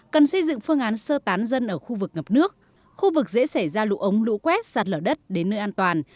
cần xây dựng phương án sơ tán dân ở khu vực ngập nước khu vực dễ xảy ra lũ ống lũ quét sạt lở đất đến nơi an toàn